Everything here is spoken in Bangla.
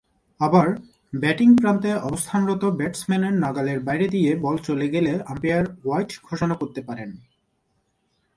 আবার, ব্যাটিং প্রান্তে অবস্থানরত ব্যাটসম্যানের নাগালের বাইরে দিয়ে বল চলে গেলে আম্পায়ার ওয়াইড ঘোষণা করতে পারেন।